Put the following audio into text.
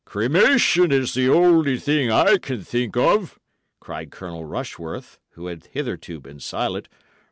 "Cremation is the only thing I can think of!" cried Colonel Rushworth, who had hitherto been silent.